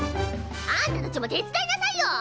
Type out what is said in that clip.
あんたたちも手伝いなさいよ！